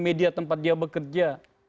media tempat dia bekerja